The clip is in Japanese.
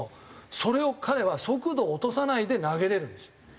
それを彼は速度を落とさないで投げれるんですよ。